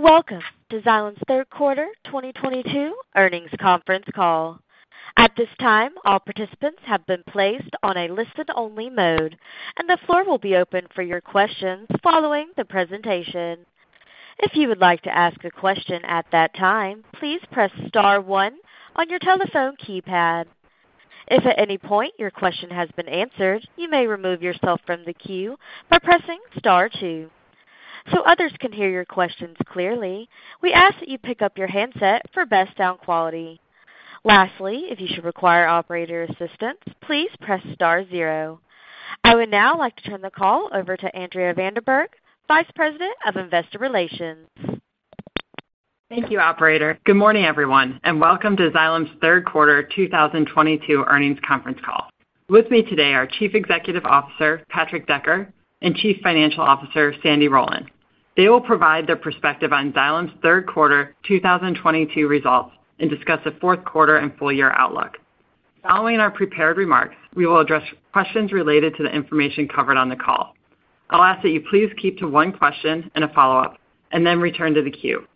Welcome to Xylem's third quarter 2022 earnings conference call. At this time, all participants have been placed on a listen-only mode, and the floor will be open for your questions following the presentation. If you would like to ask a question at that time, please press star one on your telephone keypad. If at any point your question has been answered, you may remove yourself from the queue by pressing star two. Others can hear your questions clearly, we ask that you pick up your handset for best sound quality. Lastly, if you should require operator assistance, please press star zero. I would now like to turn the call over to Andrea van der Berg, Vice President of Investor Relations. Thank you, operator. Good morning, everyone, and welcome to Xylem's third quarter 2022 earnings conference call. With me today are Chief Executive Officer Patrick Decker and Chief Financial Officer Sandra Rowland. They will provide their perspective on Xylem's third quarter 2022 results and discuss the fourth quarter and full year outlook. Following our prepared remarks, we will address questions related to the information covered on the call. I'll ask that you please keep to one question and a follow-up, and then return to the queue.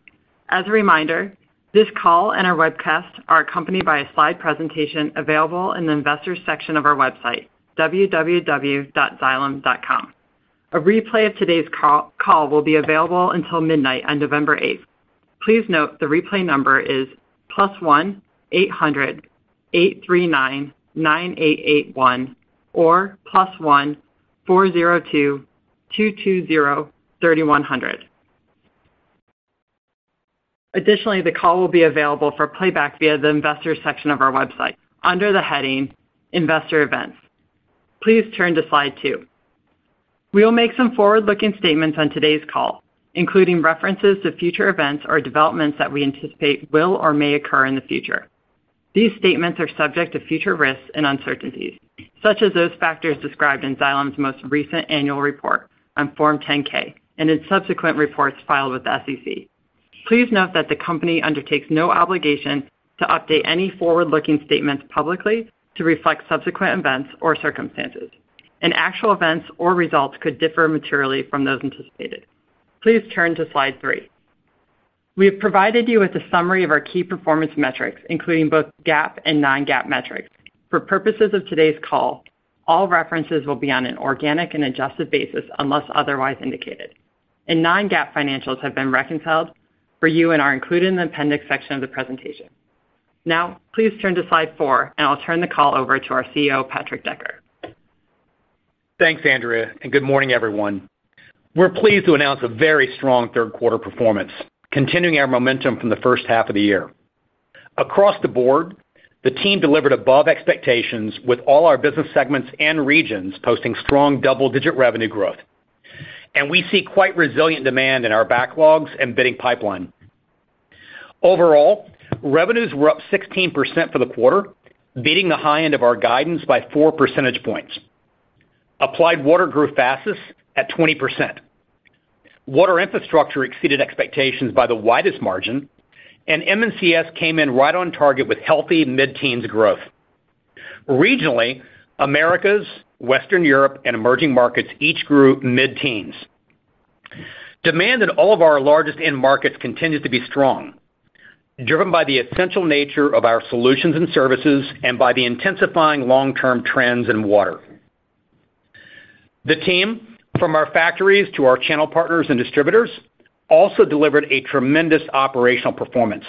As a reminder, this call and our webcast are accompanied by a slide presentation available in the Investors section of our website, www.xylem.com. A replay of today's call will be available until midnight on November 8. Please note the replay number is +1-800-839-9881 or +1-402-220-3100. Additionally, the call will be available for playback via the Investors section of our website under the heading Investor Events. Please turn to slide 2. We will make some forward-looking statements on today's call, including references to future events or developments that we anticipate will or may occur in the future. These statements are subject to future risks and uncertainties, such as those factors described in Xylem's most recent annual report on Form 10-K and in subsequent reports filed with the SEC. Please note that the company undertakes no obligation to update any forward-looking statements publicly to reflect subsequent events or circumstances, and actual events or results could differ materially from those anticipated. Please turn to slide 3. We have provided you with a summary of our key performance metrics, including both GAAP and non-GAAP metrics. For purposes of today's call, all references will be on an organic and adjusted basis unless otherwise indicated. Non-GAAP financials have been reconciled for you and are included in the appendix section of the presentation. Now, please turn to slide four, and I'll turn the call over to our CEO, Patrick Decker. Thanks, Andrea, and good morning, everyone. We're pleased to announce a very strong third quarter performance, continuing our momentum from the first half of the year. Across the board, the team delivered above expectations with all our business segments and regions posting strong double-digit revenue growth. We see quite resilient demand in our backlogs and bidding pipeline. Overall, revenues were up 16% for the quarter, beating the high end of our guidance by four percentage points. Applied Water grew fastest at 20%. Water Infrastructure exceeded expectations by the widest margin, and M&CS came in right on target with healthy mid-teens growth. Regionally, Americas, Western Europe, and Emerging Markets each grew mid-teens. Demand in all of our largest end markets continued to be strong, driven by the essential nature of our solutions and services and by the intensifying long-term trends in water. The team, from our factories to our channel partners and distributors, also delivered a tremendous operational performance.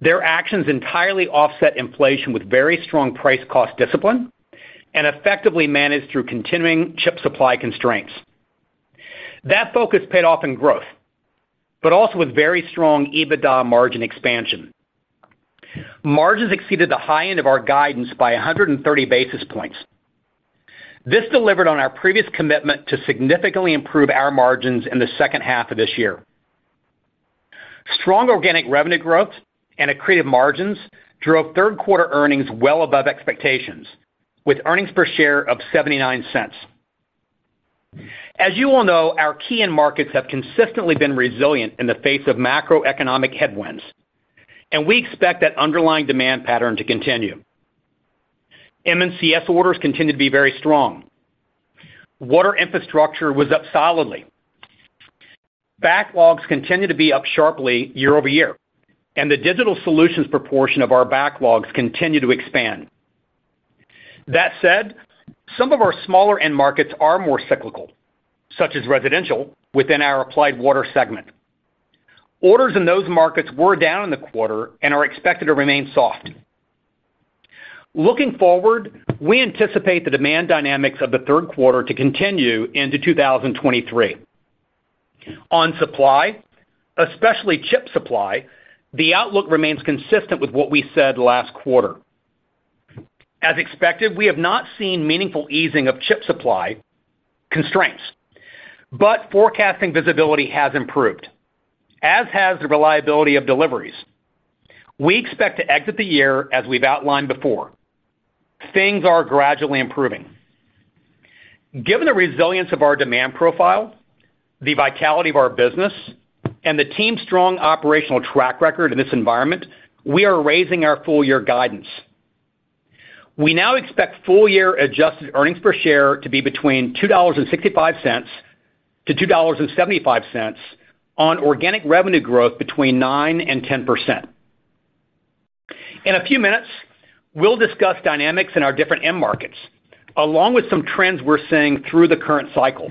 Their actions entirely offset inflation with very strong price-cost discipline and effectively managed through continuing chip supply constraints. That focus paid off in growth, but also with very strong EBITDA margin expansion. Margins exceeded the high end of our guidance by 130 basis points. This delivered on our previous commitment to significantly improve our margins in the second half of this year. Strong organic revenue growth and accretive margins drove third quarter earnings well above expectations, with earnings per share of $0.79. As you all know, our key end markets have consistently been resilient in the face of macroeconomic headwinds, and we expect that underlying demand pattern to continue. M&CS orders continued to be very strong. Water Infrastructure was up solidly. Backlogs continued to be up sharply year-over-year, and the digital solutions proportion of our backlogs continue to expand. That said, some of our smaller end markets are more cyclical, such as residential within our Applied Water segment. Orders in those markets were down in the quarter and are expected to remain soft. Looking forward, we anticipate the demand dynamics of the third quarter to continue into 2023. On supply, especially chip supply, the outlook remains consistent with what we said last quarter. As expected, we have not seen meaningful easing of chip supply constraints, but forecasting visibility has improved, as has the reliability of deliveries. We expect to exit the year as we've outlined before. Things are gradually improving. Given the resilience of our demand profile, the vitality of our business, and the team's strong operational track record in this environment, we are raising our full year guidance. We now expect full year adjusted earnings per share to be between $2.65-$2.75 on organic revenue growth between 9% and 10%. In a few minutes, we'll discuss dynamics in our different end markets, along with some trends we're seeing through the current cycle.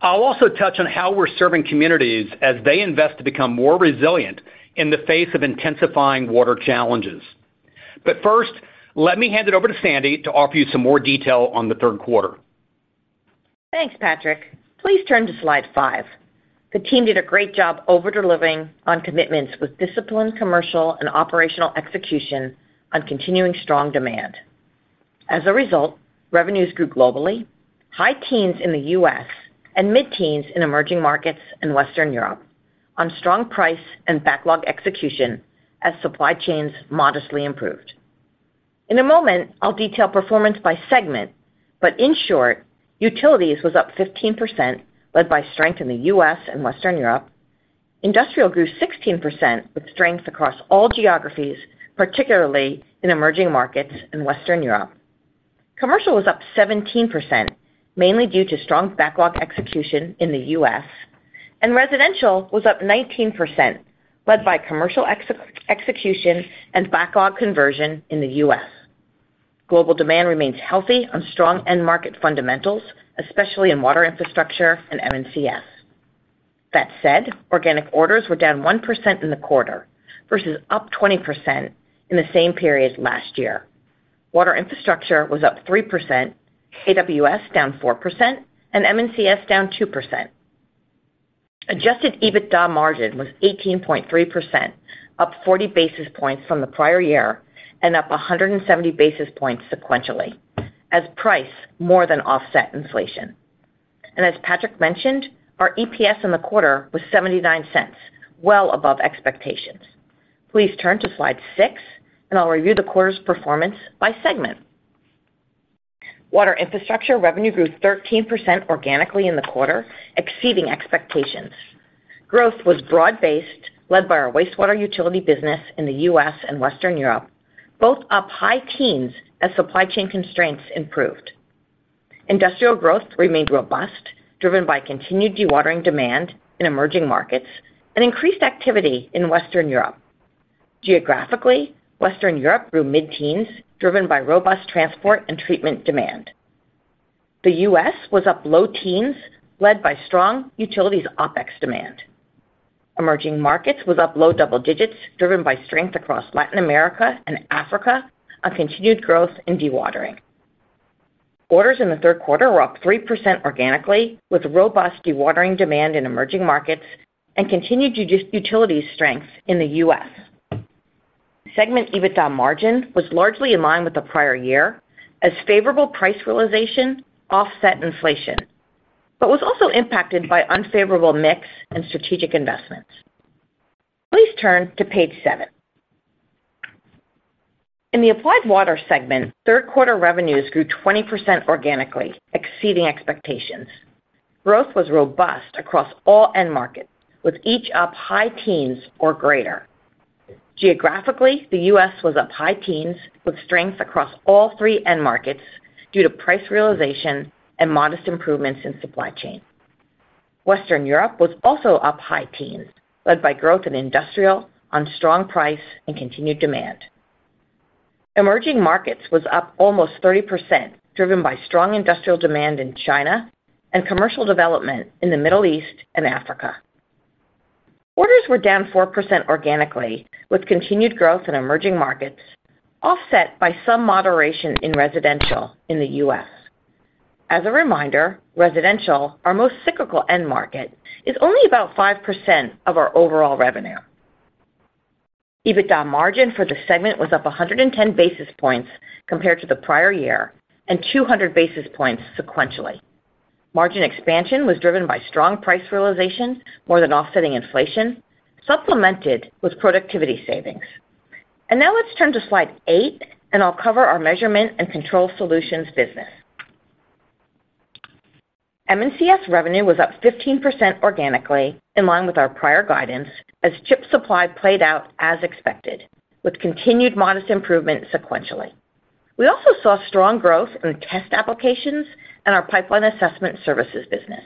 I'll also touch on how we're serving communities as they invest to become more resilient in the face of intensifying water challenges. First, let me hand it over to Sandra to offer you some more detail on the third quarter. Thanks, Patrick. Please turn to slide 5. The team did a great job over-delivering on commitments with disciplined commercial and operational execution on continuing strong demand. As a result, revenues grew globally, high teens in the U.S., and mid-teens in emerging markets in Western Europe, on strong price and backlog execution as supply chains modestly improved. In a moment, I'll detail performance by segment, but in short, utilities was up 15% led by strength in the U.S. and Western Europe. Industrial grew 16% with strength across all geographies, particularly in emerging markets in Western Europe. Commercial was up 17%, mainly due to strong backlog execution in the U.S., and residential was up 19%, led by commercial execution and backlog conversion in the U.S. Global demand remains healthy on strong end market fundamentals, especially in water infrastructure and M&CS. That said, organic orders were down 1% in the quarter versus up 20% in the same period last year. Water Infrastructure was up 3%, AWS down 4%, and M&CS down 2%. Adjusted EBITDA margin was 18.3%, up 40 basis points from the prior year and up 170 basis points sequentially as price more than offset inflation. As Patrick mentioned, our EPS in the quarter was $0.79, well above expectations. Please turn to slide six, and I'll review the quarter's performance by segment. Water Infrastructure revenue grew 13% organically in the quarter, exceeding expectations. Growth was broad-based, led by our wastewater utility business in the U.S. and Western Europe, both up high teens as supply chain constraints improved. Industrial growth remained robust, driven by continued dewatering demand in emerging markets and increased activity in Western Europe. Geographically, Western Europe grew mid-teens, driven by robust transport and treatment demand. The U.S. was up low teens, led by strong utilities OpEx demand. Emerging markets was up low double digits, driven by strength across Latin America and Africa on continued growth in dewatering. Orders in the third quarter were up 3% organically with robust dewatering demand in emerging markets and continued utility strength in the U.S. Segment EBITDA margin was largely in line with the prior year as favorable price realization offset inflation, but was also impacted by unfavorable mix and strategic investments. Please turn to page seven. In the Applied Water segment, third quarter revenues grew 20% organically, exceeding expectations. Growth was robust across all end markets, with each up high teens or greater. Geographically, the U.S. was up high teens with strength across all three end markets due to price realization and modest improvements in supply chain. Western Europe was also up high teens, led by growth in industrial on strong price and continued demand. Emerging markets was up almost 30%, driven by strong industrial demand in China and commercial development in the Middle East and Africa. Orders were down 4% organically, with continued growth in emerging markets offset by some moderation in residential in the U.S. As a reminder, residential, our most cyclical end market, is only about 5% of our overall revenue. EBITDA margin for the segment was up 110 basis points compared to the prior year and 200 basis points sequentially. Margin expansion was driven by strong price realization more than offsetting inflation, supplemented with productivity savings. Now let's turn to slide 8, and I'll cover our Measurement & Control Solutions business. M&CS revenue was up 15% organically in line with our prior guidance as chip supply played out as expected with continued modest improvement sequentially. We also saw strong growth in test applications and our pipeline assessment services business.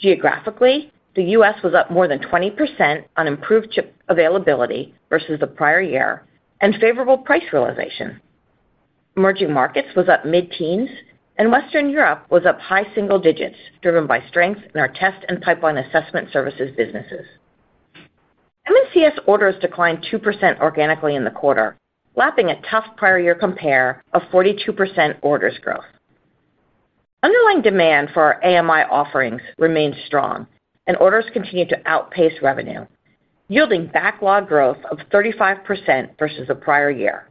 Geographically, the U.S. was up more than 20% on improved chip availability versus the prior year and favorable price realization. Emerging markets was up mid-teens, and Western Europe was up high single digits, driven by strength in our test and pipeline assessment services businesses. M&CS orders declined 2% organically in the quarter, lapping a tough prior year compare of 42% orders growth. Underlying demand for our AMI offerings remained strong and orders continued to outpace revenue, yielding backlog growth of 35% versus the prior year.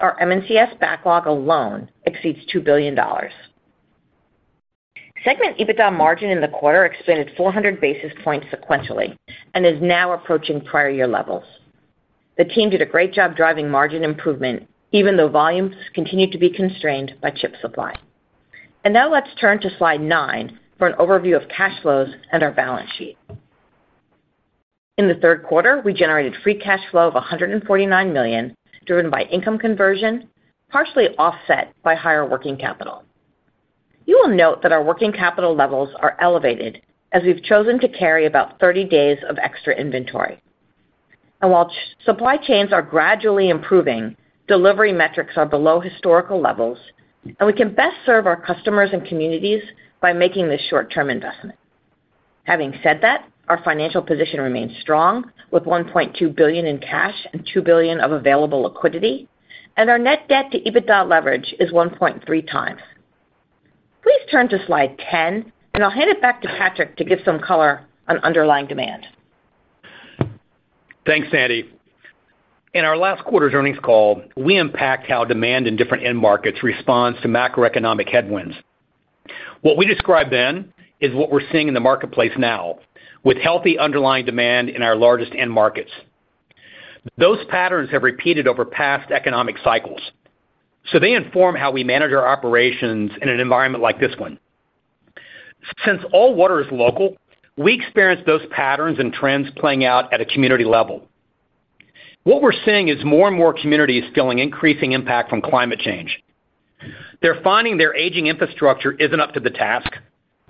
Our M&CS backlog alone exceeds $2 billion. Segment EBITDA margin in the quarter expanded 400 basis points sequentially and is now approaching prior year levels. The team did a great job driving margin improvement even though volumes continued to be constrained by chip supply. Now let's turn to slide 9 for an overview of cash flows and our balance sheet. In the third quarter, we generated free cash flow of $149 million, driven by income conversion, partially offset by higher working capital. You will note that our working capital levels are elevated as we've chosen to carry about 30 days of extra inventory. While chip supply chains are gradually improving, delivery metrics are below historical levels, and we can best serve our customers and communities by making this short-term investment. Having said that, our financial position remains strong, with $1.2 billion in cash and $2 billion of available liquidity, and our net debt to EBITDA leverage is 1.3 times. Please turn to slide 10, and I'll hand it back to Patrick to give some color on underlying demand. Thanks, Sandy. In our last quarter's earnings call, we unpacked how demand in different end markets responds to macroeconomic headwinds. What we described then is what we're seeing in the marketplace now, with healthy underlying demand in our largest end markets. Those patterns have repeated over past economic cycles, so they inform how we manage our operations in an environment like this one. Since all water is local, we experience those patterns and trends playing out at a community level. What we're seeing is more and more communities feeling increasing impact from climate change. They're finding their aging infrastructure isn't up to the task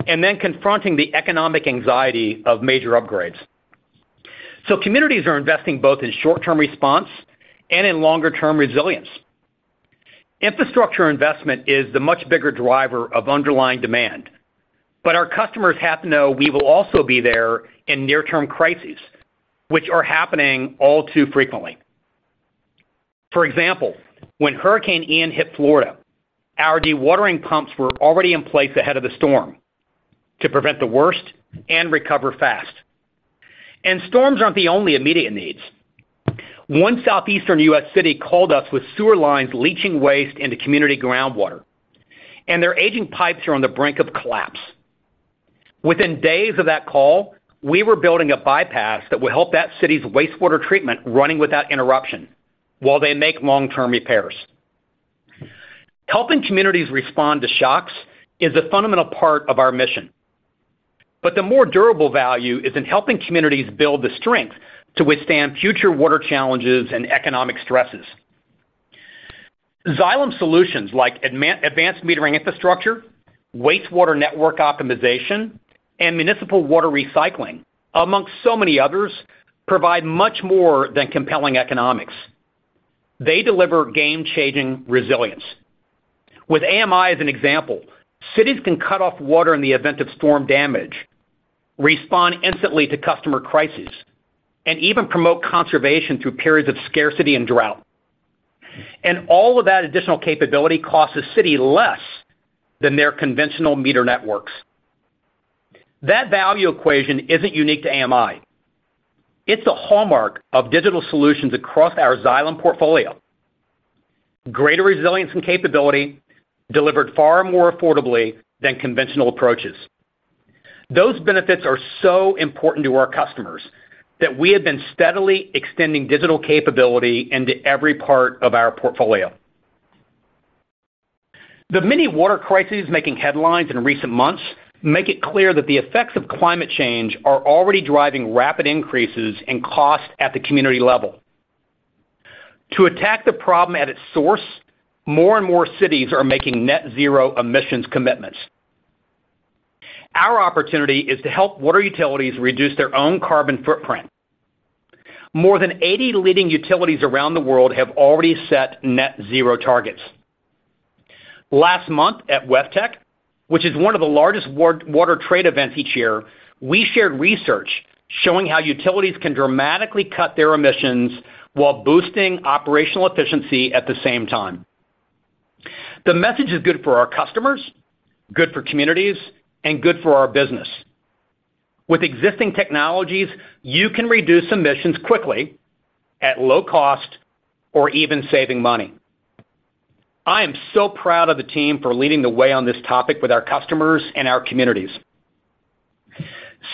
and then confronting the economic anxiety of major upgrades. Communities are investing both in short-term response and in longer-term resilience. Infrastructure investment is the much bigger driver of underlying demand, but our customers have to know we will also be there in near-term crises, which are happening all too frequently. For example, when Hurricane Ian hit Florida, our dewatering pumps were already in place ahead of the storm to prevent the worst and recover fast. Storms aren't the only immediate needs. One Southeastern U.S. city called us with sewer lines leaching waste into community groundwater, and their aging pipes are on the brink of collapse. Within days of that call, we were building a bypass that will help that city's wastewater treatment running without interruption while they make long-term repairs. Helping communities respond to shocks is a fundamental part of our mission, but the more durable value is in helping communities build the strength to withstand future water challenges and economic stresses. Xylem solutions like advanced metering infrastructure, wastewater network optimization, and municipal water recycling, among so many others, provide much more than compelling economics. They deliver game-changing resilience. With AMI as an example, cities can cut off water in the event of storm damage, respond instantly to customer crises, and even promote conservation through periods of scarcity and drought. All of that additional capability costs the city less than their conventional meter networks. That value equation isn't unique to AMI. It's a hallmark of digital solutions across our Xylem portfolio. Greater resilience and capability delivered far more affordably than conventional approaches. Those benefits are so important to our customers that we have been steadily extending digital capability into every part of our portfolio. The many water crises making headlines in recent months make it clear that the effects of climate change are already driving rapid increases in cost at the community level. To attack the problem at its source, more and more cities are making net zero emissions commitments. Our opportunity is to help water utilities reduce their own carbon footprint. More than 80 leading utilities around the world have already set net zero targets. Last month at WEFTEC, which is one of the largest water trade events each year, we shared research showing how utilities can dramatically cut their emissions while boosting operational efficiency at the same time. The message is good for our customers, good for communities, and good for our business. With existing technologies, you can reduce emissions quickly at low cost or even saving money. I am so proud of the team for leading the way on this topic with our customers and our communities.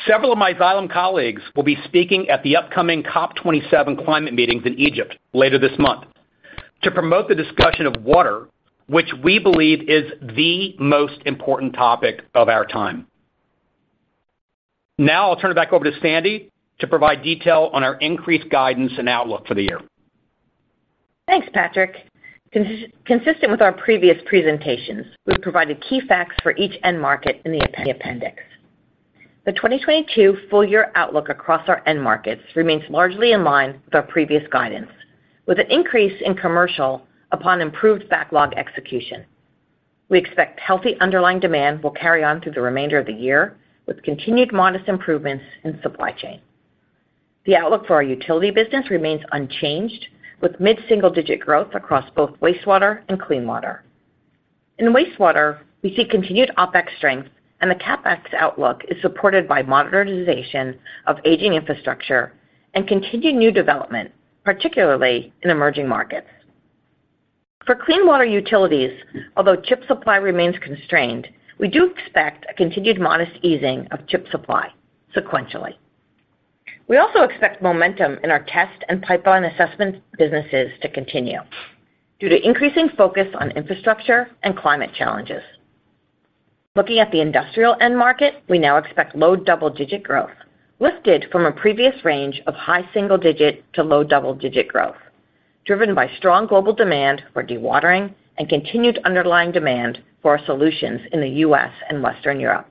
Several of my Xylem colleagues will be speaking at the upcoming COP27 climate meetings in Egypt later this month to promote the discussion of water, which we believe is the most important topic of our time. Now, I'll turn it back over to Sandy to provide detail on our increased guidance and outlook for the year. Thanks, Patrick. Consistent with our previous presentations, we've provided key facts for each end market in the appendix. The 2022 full year outlook across our end markets remains largely in line with our previous guidance, with an increase in commercial upon improved backlog execution. We expect healthy underlying demand will carry on through the remainder of the year, with continued modest improvements in supply chain. The outlook for our utility business remains unchanged, with mid-single-digit% growth across both wastewater and clean water. In wastewater, we see continued OpEx strength, and the CapEx outlook is supported by modernization of aging infrastructure and continued new development, particularly in emerging markets. For clean water utilities, although chip supply remains constrained, we do expect a continued modest easing of chip supply sequentially. We also expect momentum in our test and pipeline assessment businesses to continue due to increasing focus on infrastructure and climate challenges. Looking at the industrial end market, we now expect low double-digit growth, lifted from a previous range of high single-digit to low double-digit growth, driven by strong global demand for dewatering and continued underlying demand for our solutions in the U.S. and Western Europe.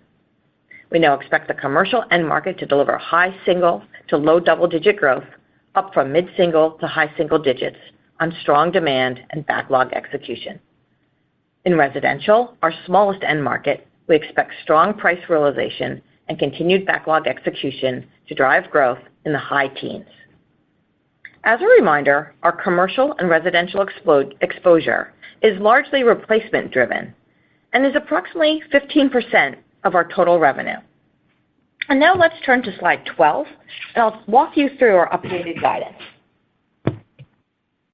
We now expect the commercial end market to deliver high single- to low double-digit growth, up from mid-single- to high single-digit on strong demand and backlog execution. In residential, our smallest end market, we expect strong price realization and continued backlog execution to drive growth in the high teens. As a reminder, our commercial and residential exposure is largely replacement driven and is approximately 15% of our total revenue. Now let's turn to slide 12, and I'll walk you through our updated guidance.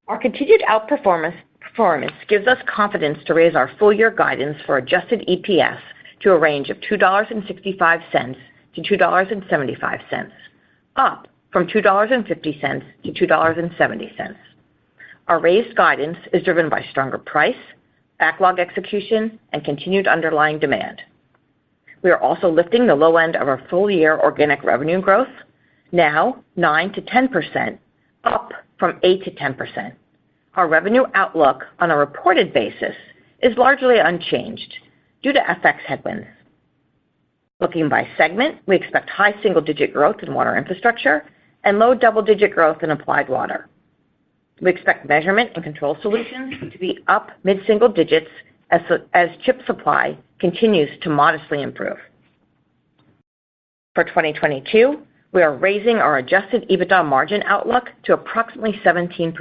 Our continued outperformance, performance gives us confidence to raise our full year guidance for adjusted EPS to a range of $2.65-$2.75, up from $2.50-$2.70. Our raised guidance is driven by stronger price, backlog execution, and continued underlying demand. We are also lifting the low end of our full year organic revenue growth, now 9%-10%, up from 8%-10%. Our revenue outlook on a reported basis is largely unchanged due to FX headwinds. Looking by segment, we expect high single-digit growth in Water Infrastructure and low double-digit growth in Applied Water. We expect Measurement & Control Solutions to be up mid-single digits as chip supply continues to modestly improve. For 2022, we are raising our adjusted EBITDA margin outlook to approximately 17%.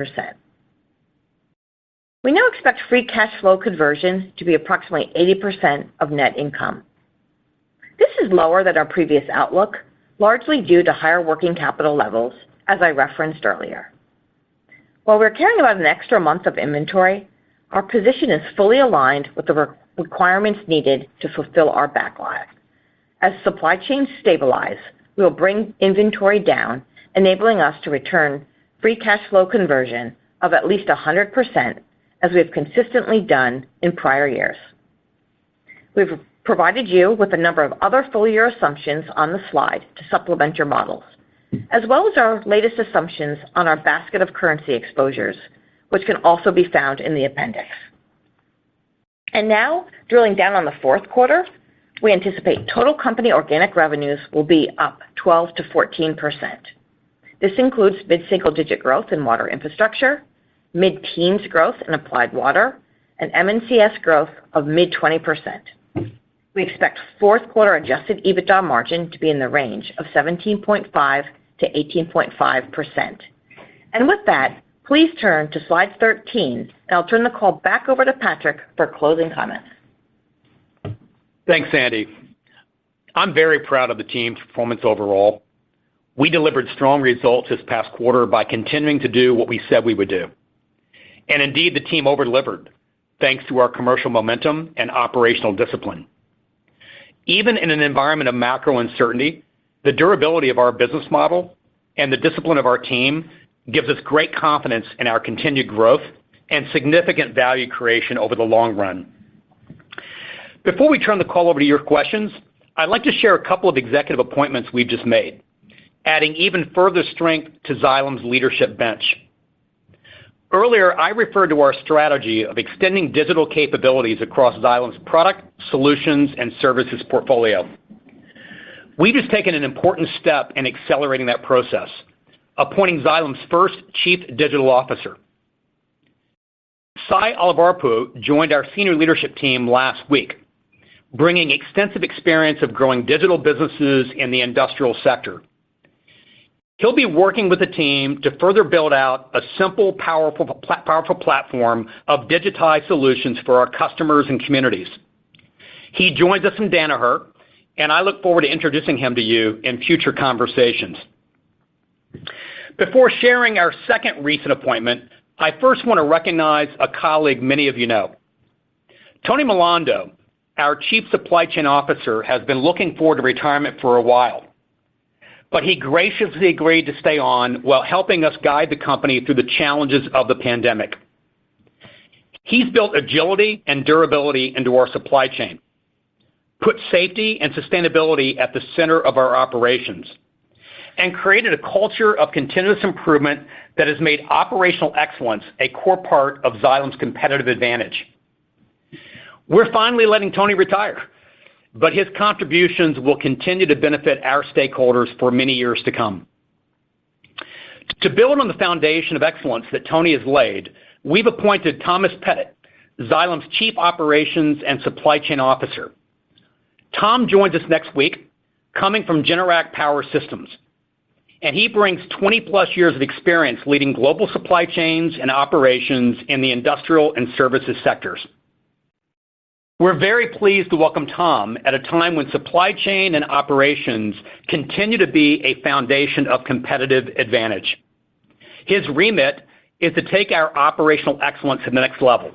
We now expect free cash flow conversion to be approximately 80% of net income. This is lower than our previous outlook, largely due to higher working capital levels, as I referenced earlier. While we're carrying about an extra month of inventory, our position is fully aligned with the requirements needed to fulfill our backlog. As supply chains stabilize, we will bring inventory down, enabling us to return free cash flow conversion of at least 100%, as we have consistently done in prior years. We've provided you with a number of other full year assumptions on the slide to supplement your models, as well as our latest assumptions on our basket of currency exposures, which can also be found in the appendix. Now, drilling down on the fourth quarter, we anticipate total company organic revenues will be up 12%-14%. This includes mid-single-digit growth in Water Infrastructure, mid-teens growth in Applied Water, and M&CS growth of mid-20%. We expect fourth quarter adjusted EBITDA margin to be in the range of 17.5%-18.5%. With that, please turn to slide 13, and I'll turn the call back over to Patrick for closing comments. Thanks, Sandy. I'm very proud of the team's performance overall. We delivered strong results this past quarter by continuing to do what we said we would do. Indeed, the team over-delivered, thanks to our commercial momentum and operational discipline. Even in an environment of macro uncertainty, the durability of our business model and the discipline of our team gives us great confidence in our continued growth and significant value creation over the long run. Before we turn the call over to your questions, I'd like to share a couple of executive appointments we've just made, adding even further strength to Xylem's leadership bench. Earlier, I referred to our strategy of extending digital capabilities across Xylem's product, solutions, and services portfolio. We've just taken an important step in accelerating that process, appointing Xylem's first Chief Digital Officer. Snehal Desai joined our senior leadership team last week, bringing extensive experience of growing digital businesses in the industrial sector. He'll be working with the team to further build out a simple, powerful platform of digitized solutions for our customers and communities. He joins us from Danaher, and I look forward to introducing him to you in future conversations. Before sharing our second recent appointment, I first wanna recognize a colleague many of you know. Tony Milando, our Chief Supply Chain Officer, has been looking forward to retirement for a while, but he graciously agreed to stay on while helping us guide the company through the challenges of the pandemic. He's built agility and durability into our supply chain, put safety and sustainability at the center of our operations, and created a culture of continuous improvement that has made operational excellence a core part of Xylem's competitive advantage. We're finally letting Tony retire, but his contributions will continue to benefit our stakeholders for many years to come. To build on the foundation of excellence that Tony has laid, we've appointed Thomas Pettit Xylem's Chief Operations and Supply Chain Officer. Tom joins us next week, coming from Generac Power Systems, and he brings 20+ years of experience leading global supply chains and operations in the industrial and services sectors. We're very pleased to welcome Tom at a time when supply chain and operations continue to be a foundation of competitive advantage. His remit is to take our operational excellence to the next level.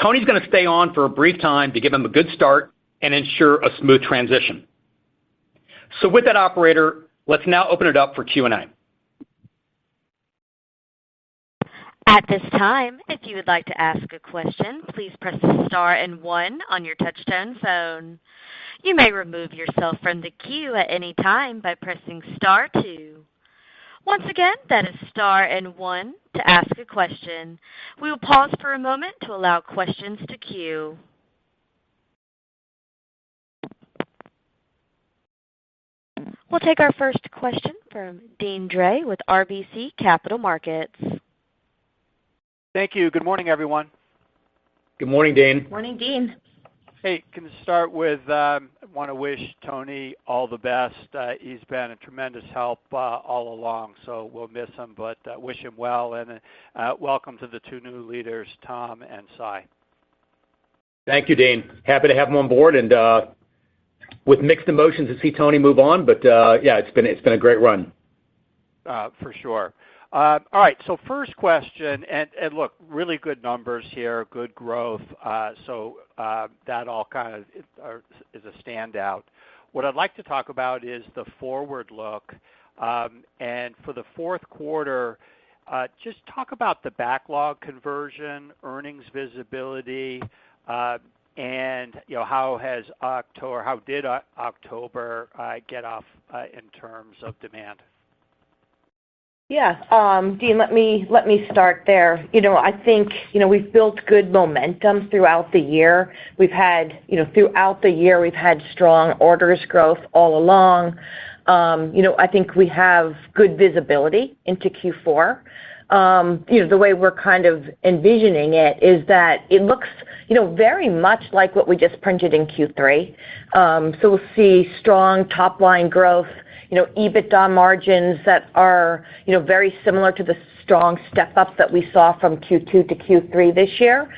Tony's gonna stay on for a brief time to give him a good start and ensure a smooth transition. With that, operator, let's now open it up for Q&A. At this time, if you would like to ask a question, please press star and one on your touchtone phone. You may remove yourself from the queue at any time by pressing star two. Once again, that is star and one to ask a question. We will pause for a moment to allow questions to queue. We'll take our first question from Deane Dray with RBC Capital Markets. Thank you. Good morning, everyone. Good morning, Deane. Morning, Dean. Hey, can we start with, I wanna wish Tony all the best. He's been a tremendous help, all along, so we'll miss him, but, wish him well, and, welcome to the two new leaders, Tom and Sai. Thank you, Deane. Happy to have him on board and, with mixed emotions to see Tony move on, but, yeah, it's been a great run. For sure. All right, first question, and look, really good numbers here, good growth, that all kind of is a standout. What I'd like to talk about is the forward look. For the fourth quarter, just talk about the backlog conversion, earnings visibility, and you know, how did October get off in terms of demand? Yeah. Deane, let me start there. You know, I think we've built good momentum throughout the year. You know, throughout the year, we've had strong orders growth all along. You know, I think we have good visibility into Q4. You know, the way we're kind of envisioning it is that it looks very much like what we just printed in Q3. So we'll see strong top-line growth, you know, EBITDA margins that are very similar to the strong step up that we saw from Q2 to Q3 this year.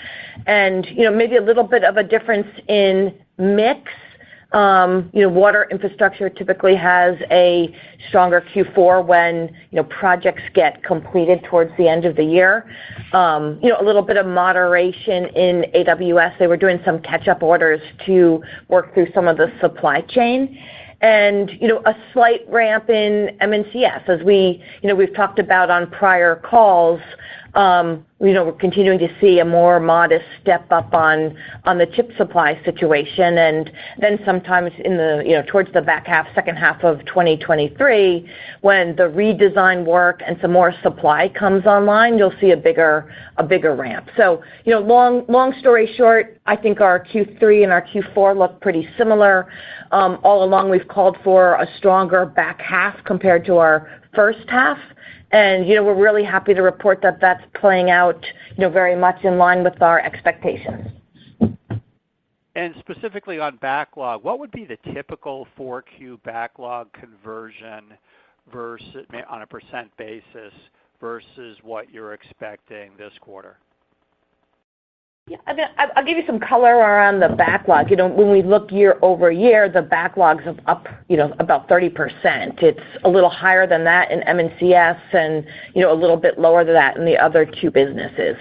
You know, maybe a little bit of a difference in mix. You know, Water Infrastructure typically has a stronger Q4 when projects get completed towards the end of the year. You know, a little bit of moderation in AWS. They were doing some catch-up orders to work through some of the supply chain. You know, a slight ramp in M&CS. As we, you know, we've talked about on prior calls, you know, we're continuing to see a more modest step up on the chip supply situation. Then sometimes in the, you know, towards the back half, second half of 2023, when the redesign work and some more supply comes online, you'll see a bigger ramp. You know, long story short, I think our Q3 and our Q4 look pretty similar. All along, we've called for a stronger back half compared to our first half, and, you know, we're really happy to report that that's playing out, you know, very much in line with our expectations. Specifically on backlog, what would be the typical 4Q backlog conversion, on a % basis, versus what you're expecting this quarter? Yeah. I'll give you some color around the backlog. You know, when we look year-over-year, the backlogs are up, you know, about 30%. It's a little higher than that in M&CS and, you know, a little bit lower than that in the other two businesses.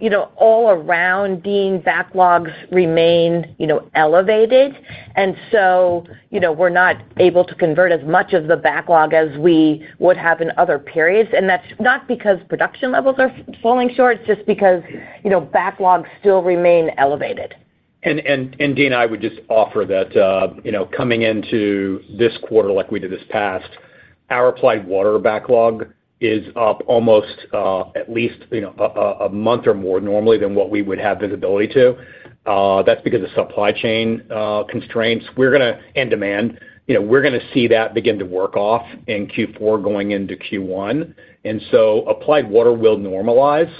You know, all around, Deane, backlogs remain, you know, elevated. You know, we're not able to convert as much of the backlog as we would have in other periods. That's not because production levels are falling short, it's just because, you know, backlogs still remain elevated. Deane Dray, I would just offer that, you know, coming into this quarter like we did this past, our Applied Water backlog is up almost at least, you know, a month or more normally than what we would have visibility to. That's because of supply chain constraints and demand. You know, we're gonna see that begin to work off in Q4 going into Q1. Applied Water will normalize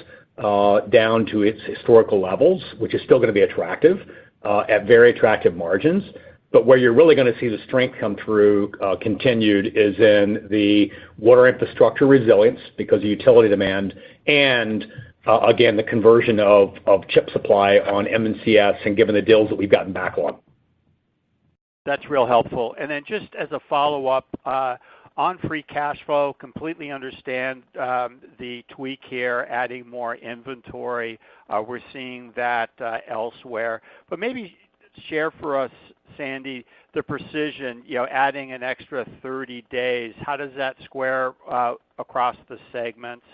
down to its historical levels, which is still gonna be attractive at very attractive margins. But where you're really gonna see the strength come through continued is in the Water Infrastructure resilience because of utility demand and, again, the conversion of chip supply on M&CS and given the deals that we've gotten backlog. That's real helpful. Just as a follow-up on free cash flow, completely understand the tweak here, adding more inventory. We're seeing that elsewhere. Maybe share for us, Sandy, the precision, you know, adding an extra 30 days, how does that square across the segments?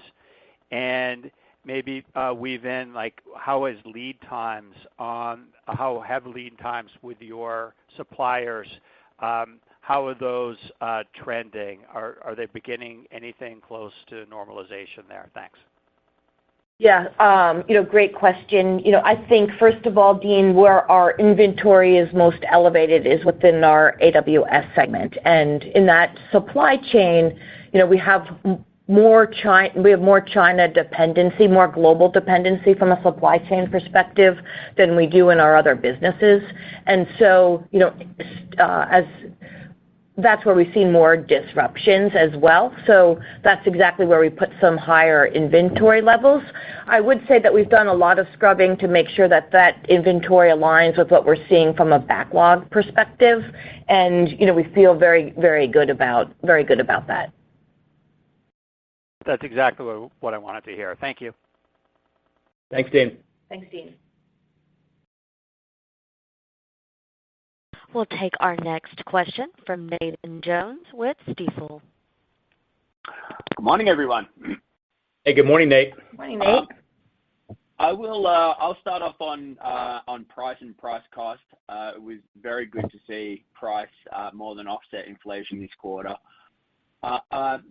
Maybe weave in, like, how have lead times with your suppliers, how are those trending? Are they beginning anything close to normalization there? Thanks. Yeah. Great question. You know, I think first of all, Deane, where our inventory is most elevated is within our AWS segment. In that supply chain, you know, we have more China dependency, more global dependency from a supply chain perspective than we do in our other businesses. That's where we've seen more disruptions as well. That's exactly where we put some higher inventory levels. I would say that we've done a lot of scrubbing to make sure that that inventory aligns with what we're seeing from a backlog perspective. You know, we feel very good about that. That's exactly what I wanted to hear. Thank you. Thanks, Deane. Thanks, Deane. We'll take our next question from Nathan Jones with Stifel. Good morning, everyone. Hey, good morning, Nate. Good morning, Nate. I will, I'll start off on price and price cost. It was very good to see price more than offset inflation this quarter.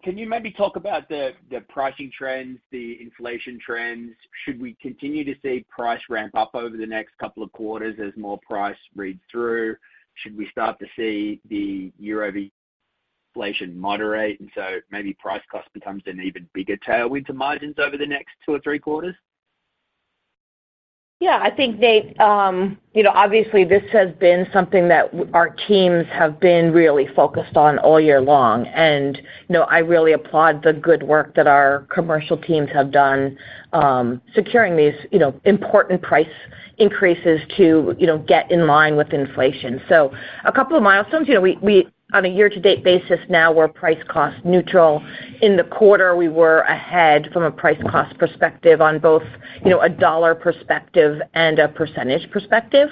Can you maybe talk about the pricing trends, the inflation trends? Should we continue to see price ramp up over the next couple of quarters as more price reads through? Should we start to see the year-over-year inflation moderate and so maybe price cost becomes an even bigger tailwind to margins over the next 2 or 3 quarters? Yeah, I think, Nate, you know, obviously this has been something that our teams have been really focused on all year long. You know, I really applaud the good work that our commercial teams have done, securing these, you know, important price increases to, you know, get in line with inflation. A couple of milestones. You know, on a year-to-date basis now we're price-cost neutral. In the quarter, we were ahead from a price-cost perspective on both, you know, a dollar perspective and a percentage perspective.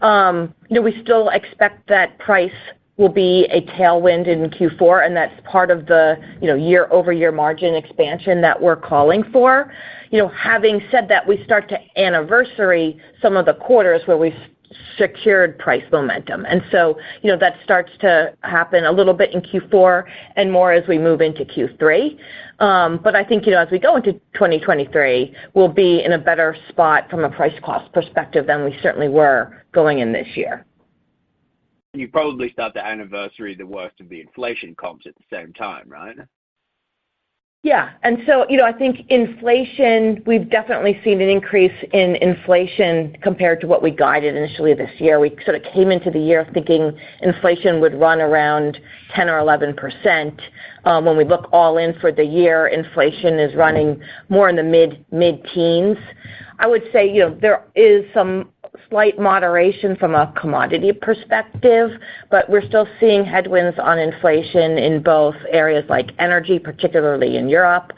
You know, we still expect that price will be a tailwind in Q4, and that's part of the, you know, year-over-year margin expansion that we're calling for. You know, having said that, we start to anniversary some of the quarters where we've secured price momentum. You know, that starts to happen a little bit in Q4 and more as we move into Q3. I think, you know, as we go into 2023, we'll be in a better spot from a price cost perspective than we certainly were going in this year. You probably start to anniversary the worst of the inflation comps at the same time, right? Yeah. You know, I think inflation, we've definitely seen an increase in inflation compared to what we guided initially this year. We sort of came into the year thinking inflation would run around 10 or 11%. When we look all in for the year, inflation is running more in the mid-teens. I would say, you know, there is some slight moderation from a commodity perspective, but we're still seeing headwinds on inflation in both areas like energy, particularly in Europe.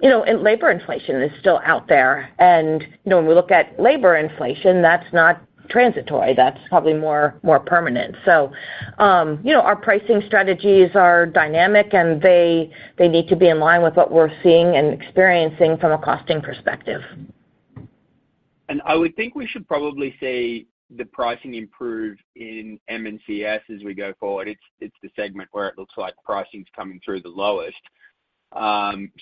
You know, labor inflation is still out there. You know, when we look at labor inflation, that's not transitory, that's probably more permanent. You know, our pricing strategies are dynamic, and they need to be in line with what we're seeing and experiencing from a costing perspective. I would think we should probably see the pricing improve in M&CS as we go forward. It's the segment where it looks like pricing's coming through the lowest.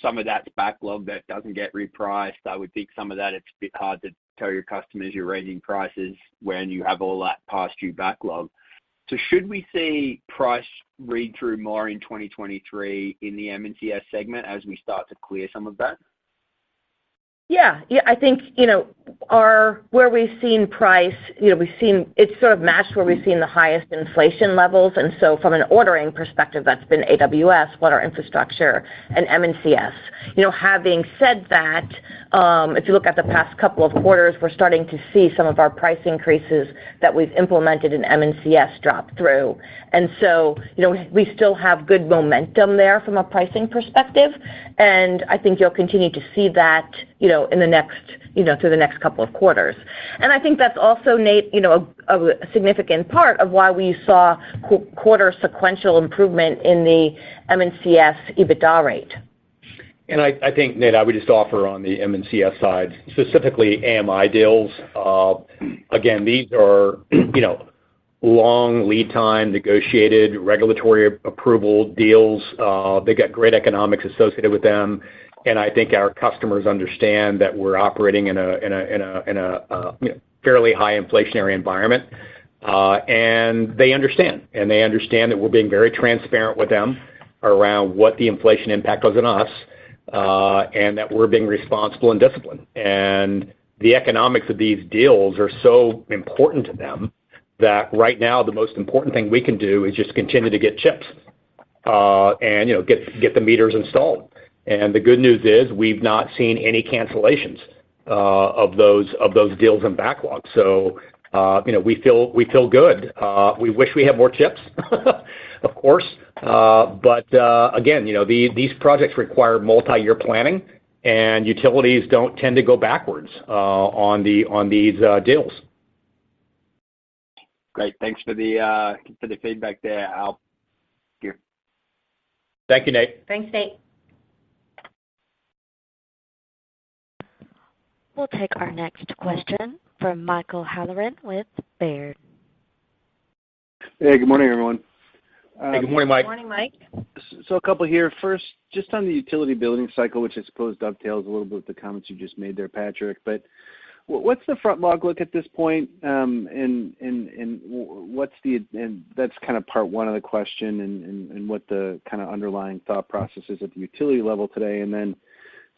Some of that's backlog that doesn't get repriced. I would think some of that, it's a bit hard to tell your customers you're raising prices when you have all that past due backlog. Should we see price read through more in 2023 in the M&CS segment as we start to clear some of that? Yeah. Yeah, I think, you know, our where we've seen price, you know, we've seen it sort of match where we've seen the highest inflation levels. From an ordering perspective, that's been Applied Water Infrastructure and M&CS. You know, having said that, if you look at the past couple of quarters, we're starting to see some of our price increases that we've implemented in M&CS drop through. We still have good momentum there from a pricing perspective, and I think you'll continue to see that, you know, in the next, you know, through the next couple of quarters. I think that's also, Nate, you know, a significant part of why we saw quarter sequential improvement in the M&CS EBITDA rate. I think, Nate, I would just offer on the M&CS side, specifically AMI deals. Again, these are, you know, long lead time negotiated regulatory approval deals. They've got great economics associated with them, and I think our customers understand that we're operating in a, you know, fairly high inflationary environment. And they understand that we're being very transparent with them around what the inflation impact was on us, and that we're being responsible and disciplined. The economics of these deals are so important to them that right now the most important thing we can do is just continue to get chips, and, you know, get the meters installed. The good news is we've not seen any cancellations of those deals in backlog. You know, we feel good. We wish we had more chips, of course. Again, you know, these projects require multi-year planning, and utilities don't tend to go backwards on these deals. Great. Thanks for the feedback there, Al. Thank you. Thank you, Nate. Thanks, Nate. We'll take our next question from Michael Halloran with Baird. Hey, good morning, everyone. Good morning, Mike. Good morning, Mike. A couple here. First, just on the utility building cycle, which I suppose dovetails a little bit with the comments you just made there, Patrick. What's the backlog look like at this point? That's kind of part one of the question and what the kind of underlying thought process is at the utility level today.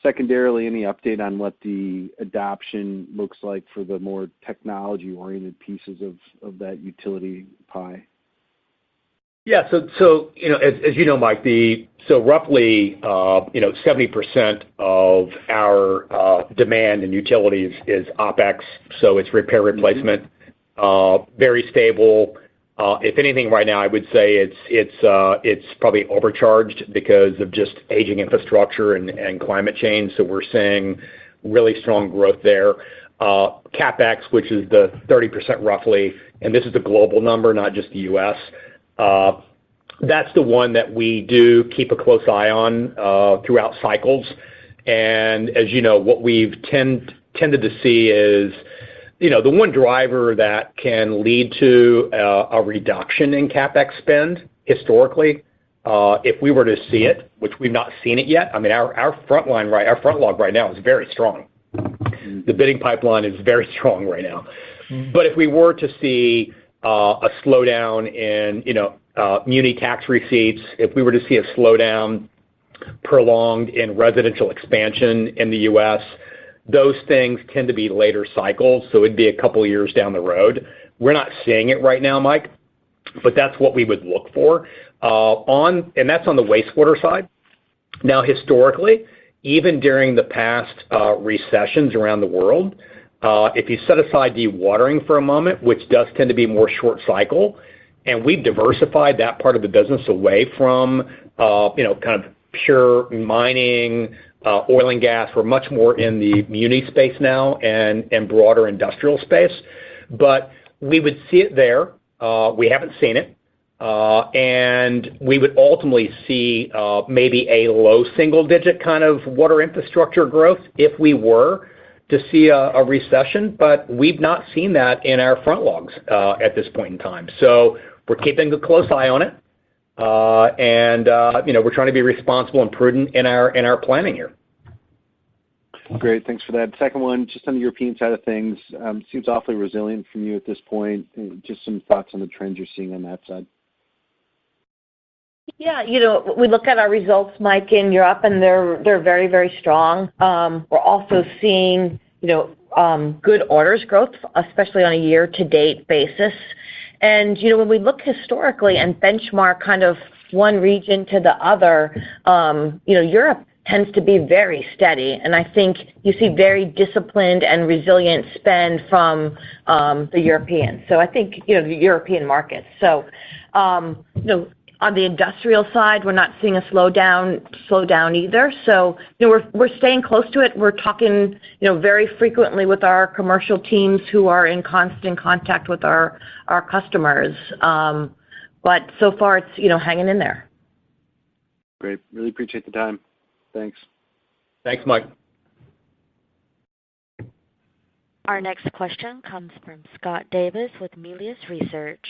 Secondarily, any update on what the adoption looks like for the more technology-oriented pieces of that utility pie? Yeah. You know, as you know, Mike, so roughly, you know, 70% of our demand in utilities is OpEx, so it's repair replacement. Very stable. If anything right now, I would say it's probably overcharged because of just aging infrastructure and climate change, so we're seeing really strong growth there. CapEx, which is the 30% roughly, and this is the global number, not just the U.S. That's the one that we do keep a close eye on throughout cycles. As you know, what we've tended to see is, you know, the one driver that can lead to a reduction in CapEx spend historically, if we were to see it, which we've not seen it yet. I mean, our front log right now is very strong. The bidding pipeline is very strong right now. If we were to see a slowdown in, you know, muni tax receipts, if we were to see a slowdown prolonged in residential expansion in the U.S., those things tend to be later cycles, so it'd be a couple years down the road. We're not seeing it right now, Mike, but that's what we would look for. And that's on the wastewater side. Now, historically, even during the past recessions around the world, if you set aside dewatering for a moment, which does tend to be more short cycle, and we diversified that part of the business away from, you know, kind of pure mining, oil and gas. We're much more in the muni space now and broader industrial space. We would see it there. We haven't seen it. We would ultimately see maybe a low single digit kind of Water Infrastructure growth if we were to see a recession, but we've not seen that in our front logs at this point in time. We're keeping a close eye on it. You know, we're trying to be responsible and prudent in our planning here. Great. Thanks for that. Second one, just on the European side of things, seems awfully resilient from you at this point. Just some thoughts on the trends you're seeing on that side? Yeah. You know, we look at our results, Mike, in Europe, and they're very, very strong. We're also seeing, you know, good orders growth, especially on a year-to-date basis. You know, when we look historically and benchmark kind of one region to the other, you know, Europe tends to be very steady, and I think you see very disciplined and resilient spend from the Europeans. I think, you know, the European market. You know, on the industrial side, we're not seeing a slowdown either. You know, we're staying close to it. We're talking, you know, very frequently with our commercial teams who are in constant contact with our customers. But so far, it's, you know, hanging in there. Great. Really appreciate the time. Thanks. Thanks, Mike. Our next question comes from Scott Davis with Melius Research.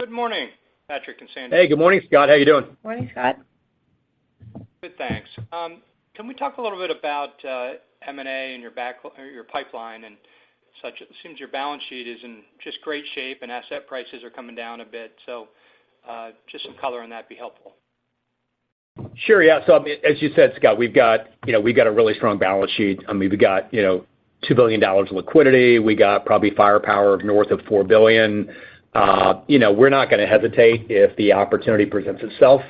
Good morning, Patrick and Sandy. Hey, good morning, Scott. How you doing? Morning, Scott. Good, thanks. Can we talk a little bit about M&A and your pipeline and such? It seems your balance sheet is in just great shape and asset prices are coming down a bit. Just some color on that would be helpful. Sure. Yeah. I mean, as you said, Scott, we've got a really strong balance sheet. I mean, we've got $2 billion liquidity. We've got probably firepower of north of $4 billion. You know, we're not gonna hesitate if the opportunity presents itself.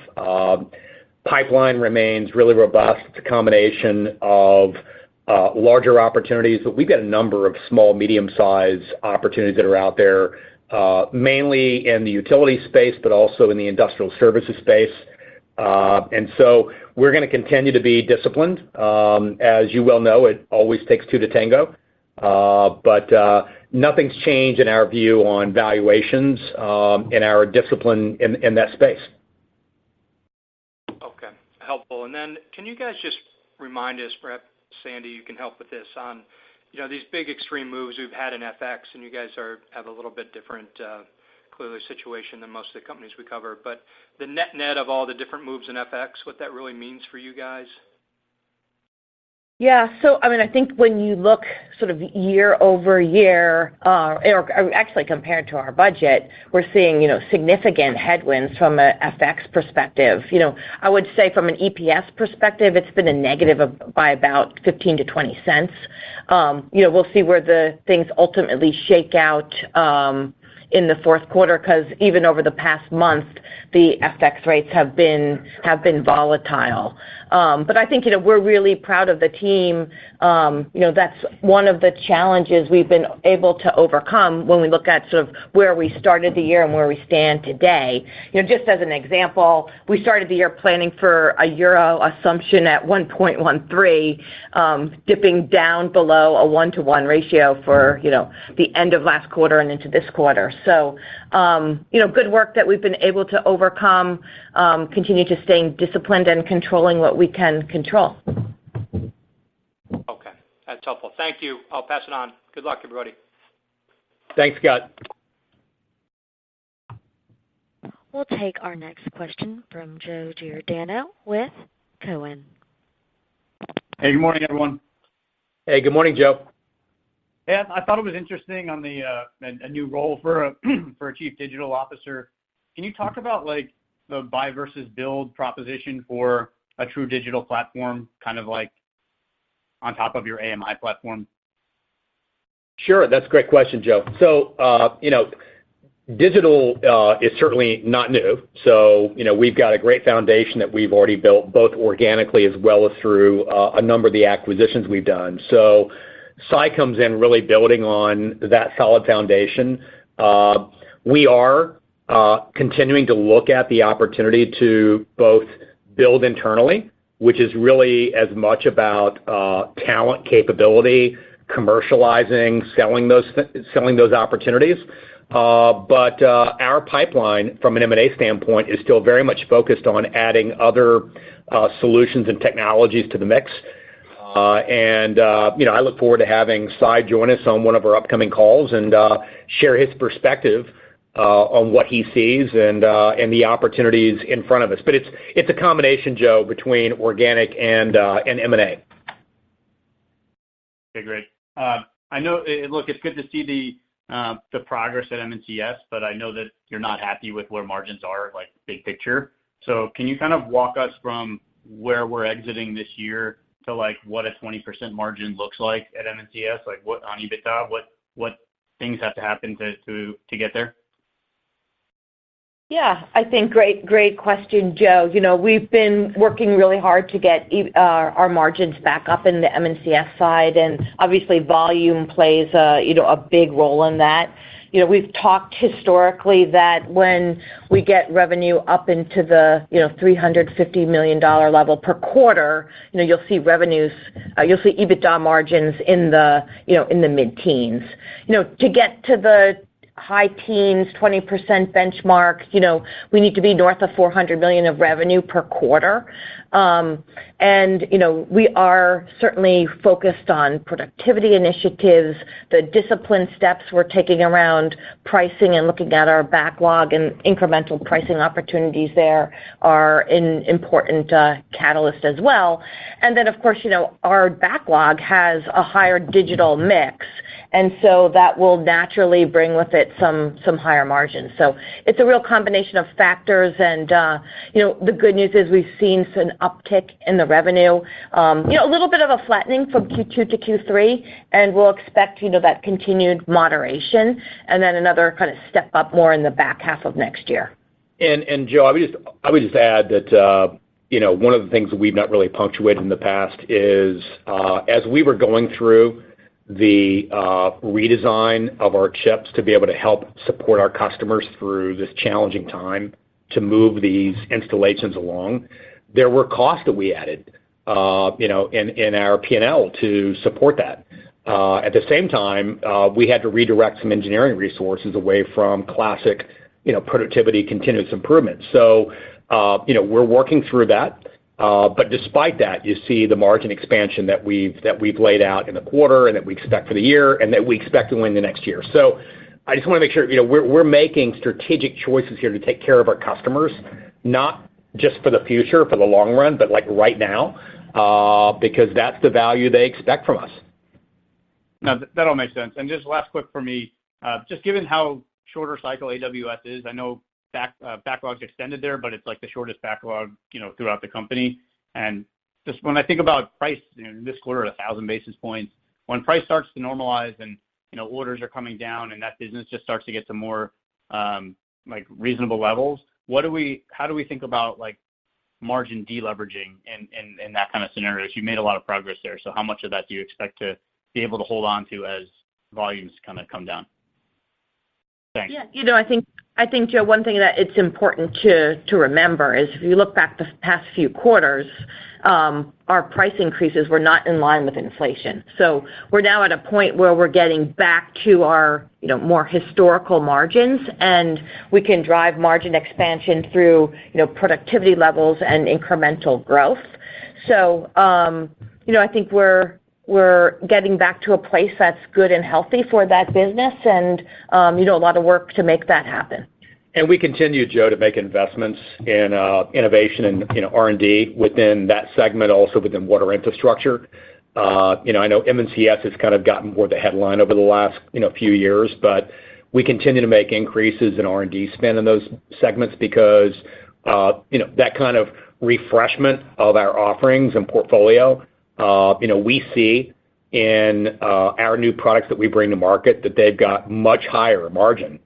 Pipeline remains really robust. It's a combination of larger opportunities, but we've got a number of small, medium-sized opportunities that are out there, mainly in the utility space, but also in the industrial services space. We're gonna continue to be disciplined. As you well know, it always takes two to tango. But nothing's changed in our view on valuations, and our discipline in that space. Okay. Helpful. Then can you guys just remind us, perhaps Sandy, you can help with this, on, you know, these big extreme moves we've had in FX, and you guys have a little bit different clearly situation than most of the companies we cover. But the net-net of all the different moves in FX, what that really means for you guys. Yeah. I mean, I think when you look sort of year-over-year, or actually compared to our budget, we're seeing, you know, significant headwinds from a FX perspective. You know, I would say from an EPS perspective, it's been a negative of by about $0.15-$0.20. You know, we'll see where things ultimately shake out in the fourth quarter, 'cause even over the past month, the FX rates have been volatile. I think, you know, we're really proud of the team. You know, that's one of the challenges we've been able to overcome when we look at sort of where we started the year and where we stand today. You know, just as an example, we started the year planning for a Euro assumption at 1.13, dipping down below a 1-1 ratio for, you know, the end of last quarter and into this quarter. You know, good work that we've been able to overcome, continue to staying disciplined and controlling what we can control. Okay. That's helpful. Thank you. I'll pass it on. Good luck, everybody. Thanks, Scott. We'll take our next question from Joe Giordano with Cowen. Hey, good morning, everyone. Hey, good morning, Joe. Yeah, I thought it was interesting on a new role for a chief digital officer. Can you talk about, like, the buy versus build proposition for a true digital platform, kind of like on top of your AMI platform? Sure. That's a great question, Joe. You know, Digital is certainly not new. You know, we've got a great foundation that we've already built, both organically as well as through a number of the acquisitions we've done. Sai comes in really building on that solid foundation. We are continuing to look at the opportunity to both build internally, which is really as much about talent capability, commercializing, selling those opportunities. Our pipeline from an M&A standpoint is still very much focused on adding other solutions and technologies to the mix. You know, I look forward to having Sai join us on one of our upcoming calls and share his perspective on what he sees and the opportunities in front of us. It's a combination, Joe, between organic and M&A. Okay, great. I know and look, it's good to see the progress at M&CS, but I know that you're not happy with where margins are, like big picture. Can you kind of walk us from where we're exiting this year to like what a 20% margin looks like at M&CS? Like what, on EBITDA, what things have to happen to get there? Yeah, I think great question, Joe. You know, we've been working really hard to get our margins back up in the M&CS side, and obviously volume plays a big role in that. You know, we've talked historically that when we get revenue up into the $350 million level per quarter, you know, you'll see EBITDA margins in the mid-teens. You know, to get to the high teens, 20% benchmark, you know, we need to be north of $400 million of revenue per quarter. We are certainly focused on productivity initiatives. The disciplined steps we're taking around pricing and looking at our backlog and incremental pricing opportunities there are an important catalyst as well. Then, of course, you know, our backlog has a higher digital mix, and so that will naturally bring with it some higher margins. So it's a real combination of factors. You know, the good news is we've seen an uptick in the revenue, a little bit of a flattening from Q2 to Q3, and we'll expect that continued moderation and then another kind of step up more in the back half of next year. Joe, I would just add that, you know, one of the things that we've not really punctuated in the past is, as we were going through the redesign of our chips to be able to help support our customers through this challenging time to move these installations along, there were costs that we added, you know, in our P&L to support that. At the same time, we had to redirect some engineering resources away from classic, you know, productivity, continuous improvement. You know, we're working through that. But despite that, you see the margin expansion that we've laid out in the quarter and that we expect for the year and that we expect in the next year. I just wanna make sure, you know, we're making strategic choices here to take care of our customers, not just for the future, for the long run, but like right now, because that's the value they expect from us. No, that all makes sense. Just last quick for me, just given how shorter cycle AWS is, I know backlogs extended there, but it's like the shortest backlog, you know, throughout the company. Just when I think about price, you know, this quarter at a thousand basis points, when price starts to normalize and, you know, orders are coming down and that business just starts to get to more, like reasonable levels, how do we think about like margin de-leveraging in that kind of scenario? Because you made a lot of progress there, so how much of that do you expect to be able to hold on to as volumes kind of come down? Thanks. Yeah, you know, I think, Joe, one thing that it's important to remember is if you look back the past few quarters, our price increases were not in line with inflation. We're now at a point where we're getting back to our, you know, more historical margins, and we can drive margin expansion through, you know, productivity levels and incremental growth. You know, I think we're getting back to a place that's good and healthy for that business and, you know, a lot of work to make that happen. We continue, Joe, to make investments in innovation and, you know, R&D within that segment, also within Water Infrastructure. You know, I know M&CS has kind of gotten more of the headline over the last, you know, few years, but we continue to make increases in R&D spend in those segments because, you know, that kind of refreshment of our offerings and portfolio, you know, we see in our new products that we bring to market that they've got much higher margin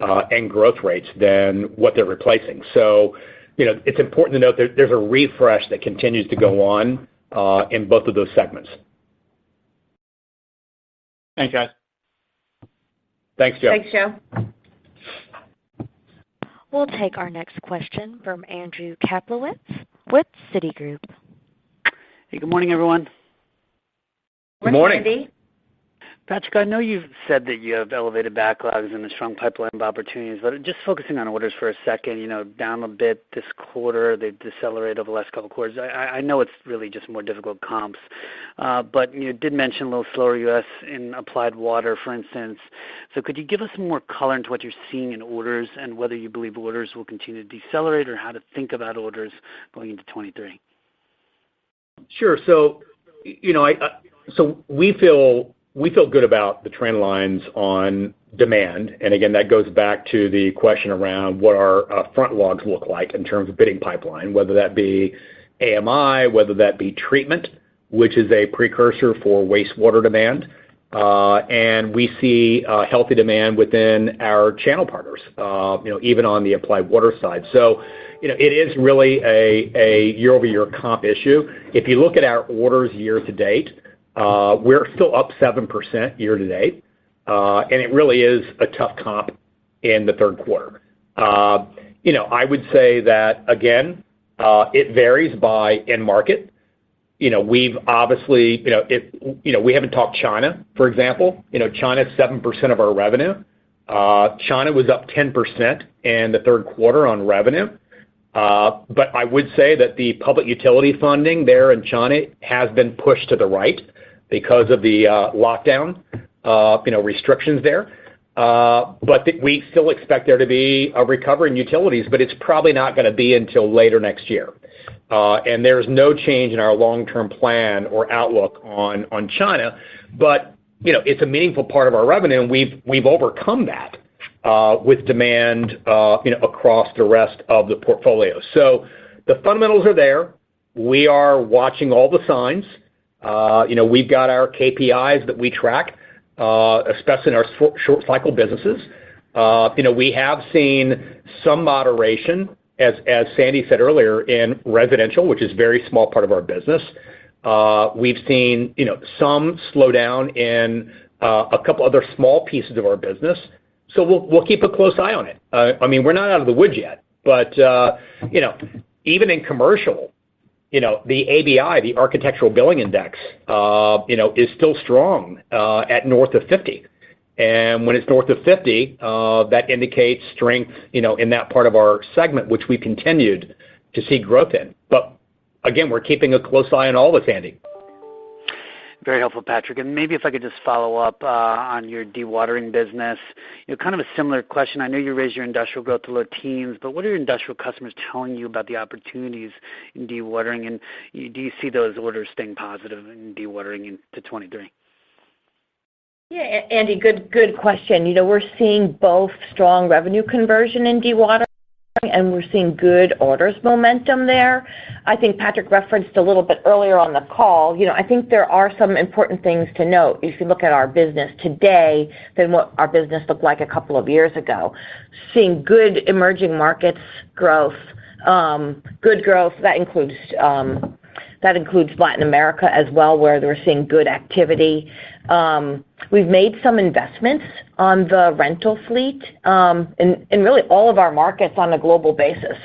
and growth rates than what they're replacing. You know, it's important to note there's a refresh that continues to go on in both of those segments. Thanks, guys. Thanks, Joe. Thanks, Joe. We'll take our next question from Andrew Kaplowitz with Citigroup. Hey, good morning, everyone. Morning, Sandy. Morning. Patrick, I know you've said that you have elevated backlogs and a strong pipeline of opportunities, but just focusing on orders for a second, you know, down a bit this quarter, they've decelerated over the last couple of quarters. I know it's really just more difficult comps. But you did mention a little slower U.S. in Applied Water, for instance. Could you give us some more color into what you're seeing in orders and whether you believe orders will continue to decelerate or how to think about orders going into 2023? Sure. You know, we feel good about the trend lines on demand. Again, that goes back to the question around what our front logs look like in terms of bidding pipeline, whether that be AMI, whether that be treatment, which is a precursor for wastewater demand. We see a healthy demand within our channel partners, you know, even on the Applied Water side. You know, it is really a year-over-year comp issue. If you look at our orders year to date, we're still up 7% year to date. It really is a tough comp in the third quarter. You know, I would say that again, it varies by end market. You know, we've obviously, you know, we haven't talked China, for example. You know, China is 7% of our revenue. China was up 10% in the third quarter on revenue. I would say that the public utility funding there in China has been pushed to the right because of the lockdown, you know, restrictions there. We still expect there to be a recovery in utilities, but it's probably not gonna be until later next year. There's no change in our long-term plan or outlook on China. You know, it's a meaningful part of our revenue, and we've overcome that with demand, you know, across the rest of the portfolio. The fundamentals are there. We are watching all the signs. You know, we've got our KPIs that we track, especially in our short cycle businesses. You know, we have seen some moderation, as Sandy said earlier, in residential, which is a very small part of our business. We've seen, you know, some slowdown in a couple other small pieces of our business. We'll keep a close eye on it. I mean, we're not out of the woods yet. You know, even in commercial, you know, the ABI, the Architectural Billings Index, you know, is still strong at north of 50. When it's north of 50, that indicates strength, you know, in that part of our segment which we continued to see growth in. Again, we're keeping a close eye on all this, Sandy. Very helpful, Patrick. Maybe if I could just follow up on your dewatering business. You know, kind of a similar question. I know you raised your industrial growth to low teens, but what are your industrial customers telling you about the opportunities in dewatering? Do you see those orders staying positive in dewatering into 2023? Yeah, Sandy, good question. You know, we're seeing both strong revenue conversion in dewatering, and we're seeing good orders momentum there. I think Patrick referenced a little bit earlier on the call, you know, I think there are some important things to note if you look at our business today than what our business looked like a couple of years ago. Seeing good emerging markets growth, good growth that includes that includes Latin America as well, where they're seeing good activity. We've made some investments on the rental fleet, in really all of our markets on a global basis.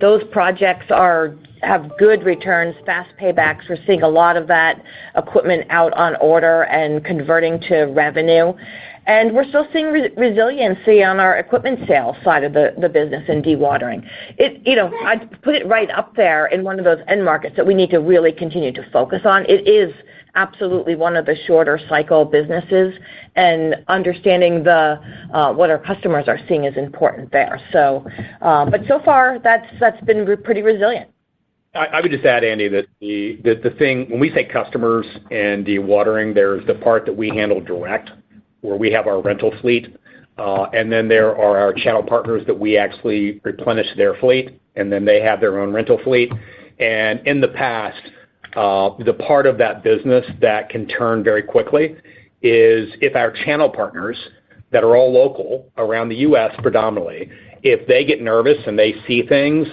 Those projects have good returns, fast paybacks. We're seeing a lot of that equipment out on order and converting to revenue. We're still seeing resiliency on our equipment sales side of the business in dewatering. It, you know, I'd put it right up there in one of those end markets that we need to really continue to focus on. It is absolutely one of the shorter cycle businesses, and understanding what our customers are seeing is important there. But so far, that's been really pretty resilient. I would just add, Sandy, that the thing, when we say customers and dewatering, there's the part that we handle directly, where we have our rental fleet. Then there are our channel partners that we actually replenish their fleet, and then they have their own rental fleet. In the past, the part of that business that can turn very quickly is if our channel partners that are all local around the U.S. predominantly, if they get nervous and they see things,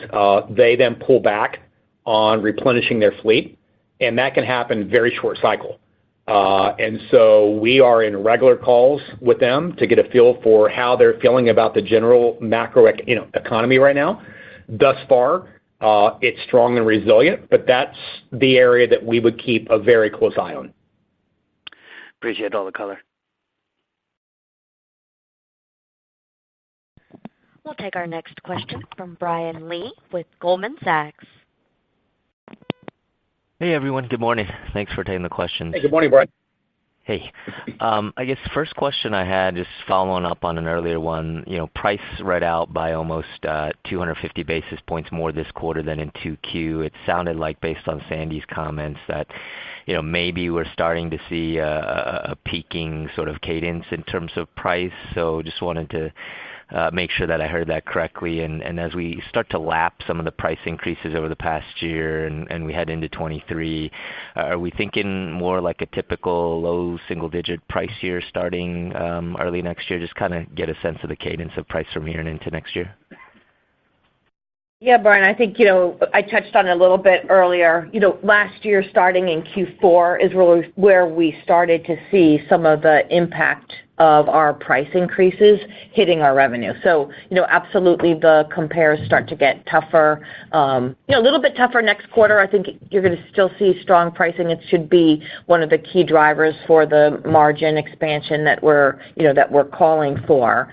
they then pull back on replenishing their fleet, and that can happen very short cycle. We are in regular calls with them to get a feel for how they're feeling about the general economy, you know, right now. Thus far, it's strong and resilient, but that's the area that we would keep a very close eye on. Appreciate all the color. We'll take our next question from Brian Lee with Goldman Sachs. Hey, everyone. Good morning. Thanks for taking the questions. Hey, good morning, Brian. Hey. I guess the first question I had, just following up on an earlier one. You know, price read out by almost 250 basis points more this quarter than in 2Q. It sounded like based on Sandy's comments that, you know, maybe we're starting to see a peaking sort of cadence in terms of price. Just wanted to make sure that I heard that correctly. As we start to lap some of the price increases over the past year and we head into 2023, are we thinking more like a typical low single-digit price year starting early next year? Just kind of get a sense of the cadence of price from here and into next year. Yeah, Brian, I think, you know, I touched on it a little bit earlier. You know, last year, starting in Q4 is really where we started to see some of the impact of our price increases hitting our revenue. You know, absolutely the compares start to get tougher. You know, a little bit tougher next quarter. I think you're gonna still see strong pricing. It should be one of the key drivers for the margin expansion that we're calling for.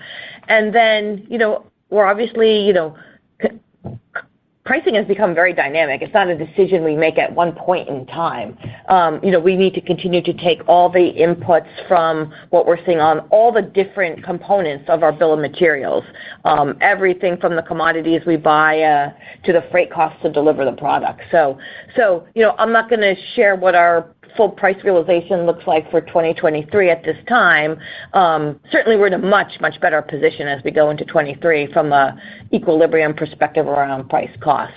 You know, we're obviously, you know, pricing has become very dynamic. It's not a decision we make at one point in time. You know, we need to continue to take all the inputs from what we're seeing on all the different components of our bill of materials. Everything from the commodities we buy to the freight costs to deliver the product. You know, I'm not gonna share what our full price realization looks like for 2023 at this time. Certainly we're in a much, much better position as we go into 2023 from an equilibrium perspective around price cost.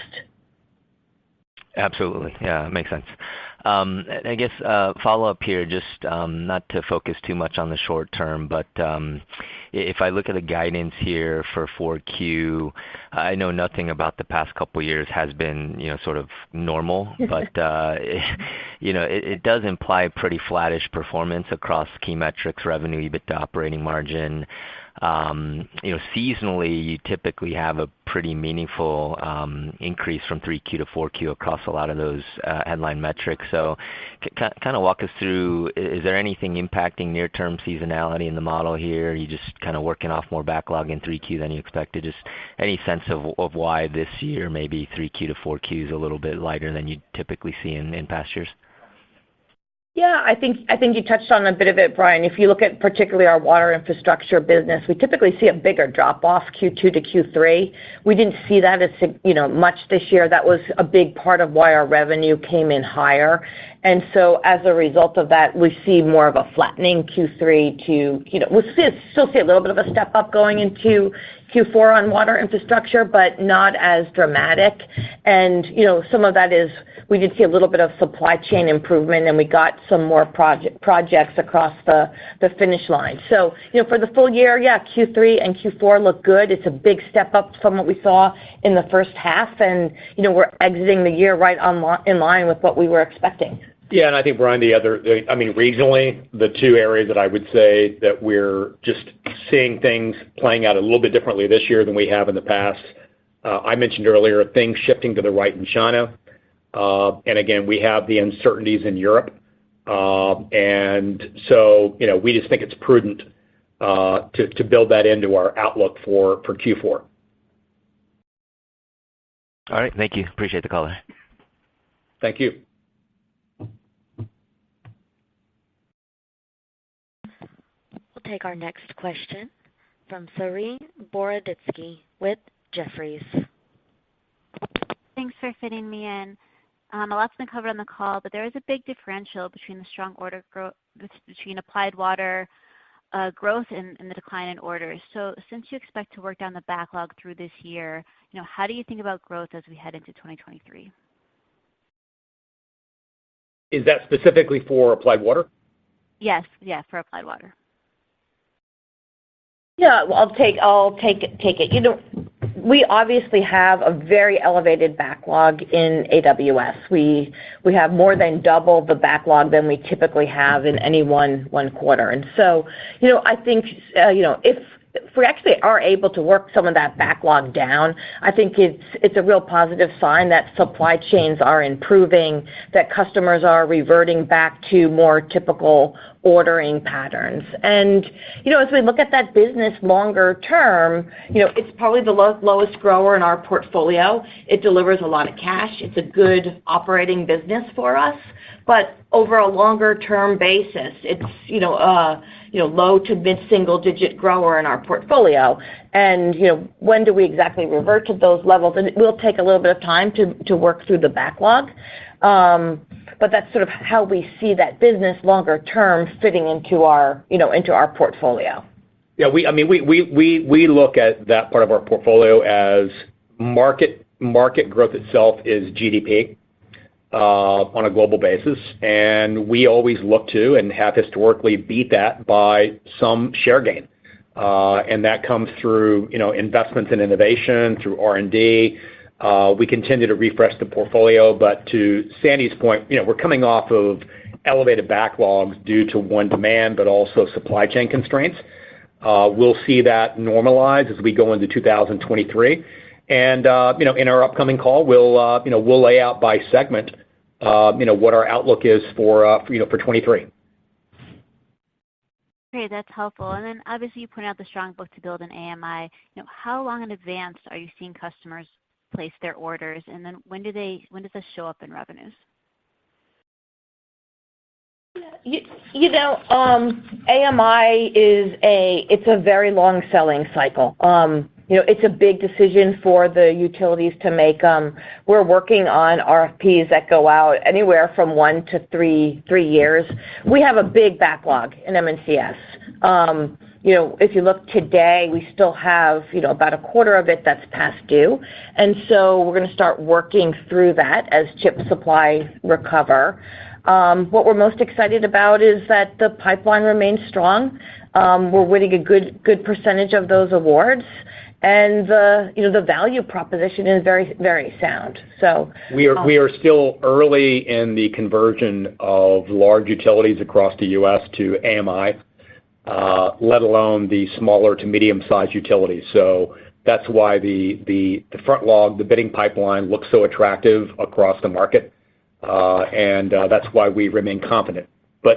Absolutely. Yeah, makes sense. I guess, follow-up here, just, not to focus too much on the short term, but, if I look at the guidance here for 4Q, I know nothing about the past couple years has been, you know, sort of normal. You know, it does imply pretty flattish performance across key metrics, revenue, EBIT, operating margin. You know, seasonally, you typically have a pretty meaningful increase from 3Q to 4Q across a lot of those headline metrics. Kind of walk us through, is there anything impacting near term seasonality in the model here? Are you just kinda working off more backlog in 3Q than you expected? Just any sense of why this year may be 3Q to 4Q a little bit lighter than you'd typically see in past years? Yeah. I think you touched on a bit of it, Brian. If you look at particularly our Water Infrastructure business, we typically see a bigger drop-off Q2 to Q3. We didn't see that as you know, much this year. That was a big part of why our revenue came in higher. As a result of that, we see more of a flattening Q3 to you know. We'll still see a little bit of a step up going into Q4 on Water Infrastructure, but not as dramatic. You know, some of that is we did see a little bit of supply chain improvement, and we got some more projects across the finish line. You know, for the full year, yeah, Q3 and Q4 look good. It's a big step up from what we saw in the first half. You know, we're exiting the year right in line with what we were expecting. I think, Brian, the other, I mean, regionally, the two areas that I would say that we're just seeing things playing out a little bit differently this year than we have in the past. I mentioned earlier, things shifting to the right in China. Again, we have the uncertainties in Europe. You know, we just think it's prudent to build that into our outlook for Q4. All right. Thank you. Appreciate the call. Thank you. We'll take our next question from Saree Boroditsky with Jefferies. Thanks for fitting me in. A lot's been covered on the call, but there is a big differential between Applied Water growth and the decline in orders. Since you expect to work down the backlog through this year, you know, how do you think about growth as we head into 2023? Is that specifically for Applied Water? Yes. Yeah, for Applied Water. Yeah. I'll take it. You know, we obviously have a very elevated backlog in AWS. We have more than double the backlog than we typically have in any one quarter. You know, I think, you know, if we actually are able to work some of that backlog down, I think it's a real positive sign that supply chains are improving, that customers are reverting back to more typical ordering patterns. You know, as we look at that business longer term, you know, it's probably the lowest grower in our portfolio. It delivers a lot of cash. It's a good operating business for us. Over a longer-term basis, it's you know, a low to mid-single digit grower in our portfolio. You know, when do we exactly revert to those levels? It will take a little bit of time to work through the backlog. But that's sort of how we see that business longer term fitting into our, you know, into our portfolio. Yeah. I mean, we look at that part of our portfolio as market growth itself is GDP on a global basis, and we always look to and have historically beat that by some share gain. That comes through, you know, investments in innovation, through R&D. We continue to refresh the portfolio. But to Sandy's point, you know, we're coming off of elevated backlogs due to, one, demand, but also supply chain constraints. We'll see that normalize as we go into 2023. You know, in our upcoming call, we'll lay out by segment what our outlook is for 2023. Great. That's helpful. Obviously, you point out the strong book-to-bill in AMI. You know, how long in advance are you seeing customers place their orders? When does this show up in revenues? You know, AMI is a very long selling cycle. You know, it's a big decision for the utilities to make. We're working on RFPs that go out anywhere from one to three years. We have a big backlog in M&CS. You know, if you look today, we still have, you know, about a quarter of it that's past due. We're gonna start working through that as chip supply recover. What we're most excited about is that the pipeline remains strong. We're winning a good percentage of those awards. You know, the value proposition is very sound, so. We are still early in the conversion of large utilities across the U.S. to AMI, let alone the smaller to medium size utilities. That's why the front log, the bidding pipeline looks so attractive across the market, and that's why we remain confident.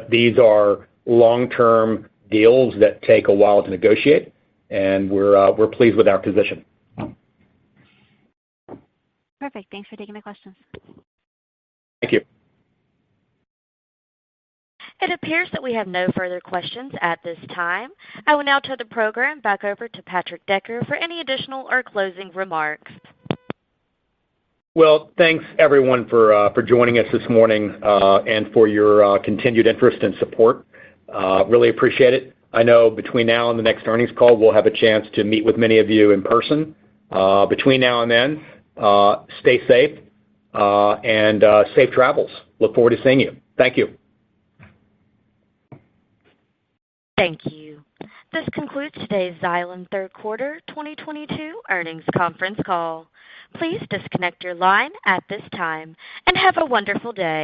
These are long-term deals that take a while to negotiate, and we're pleased with our position. Perfect. Thanks for taking my questions. Thank you. It appears that we have no further questions at this time. I will now turn the program back over to Patrick Decker for any additional or closing remarks. Well, thanks, everyone, for joining us this morning, and for your continued interest and support. Really appreciate it. I know between now and the next earnings call, we'll have a chance to meet with many of you in person. Between now and then, stay safe, and safe travels. Look forward to seeing you. Thank you. Thank you. This concludes today's Xylem third quarter 2022 earnings conference call. Please disconnect your line at this time, and have a wonderful day.